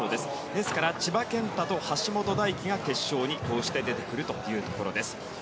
ですから千葉健太と橋本大輝が決勝にこうして出てくるということです。